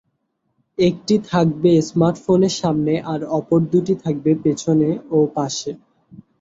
একটি থাকবে স্মার্টফোনের সামনে আর অপর দুটি থাকবে পেছনে ও পাশে।